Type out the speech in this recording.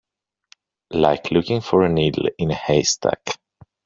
Like looking for a needle in a haystack.